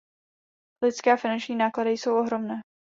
Lidské a finanční náklady jsou ohromné.